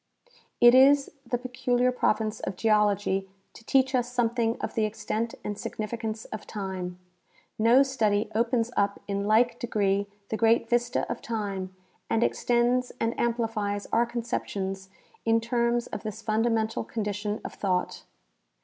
It is the peculiar province of geology to teach us something of the extent and significance of time. No study ojDens up in like degree the great vista of time and extends and amplifies our conceptions in terms of this fundamental condition of thought.